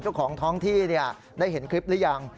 เจ้าของท้องที่ได้เห็นคลิปหรือยัง